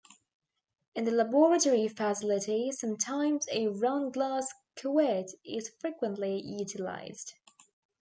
In the laboratory facility, sometimes a round glass cuvette is frequently utilized.